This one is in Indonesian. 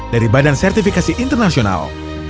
dari badan sertifikasi internasional